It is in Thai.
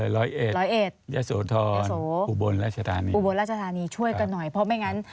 ร้อยเอสยะโสทรอุบลราชธานีช่วยกันหน่อยเพราะไม่งั้น